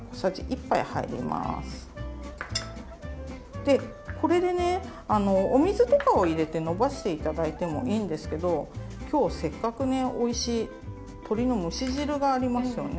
でこれでねお水とかを入れてのばして頂いてもいいんですけど今日せっかくねおいしい鶏の蒸し汁がありますよね。